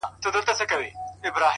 دغه ياغي خـلـگـو بــه منـلاى نـــه؛